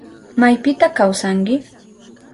¿Maypita kawsanki?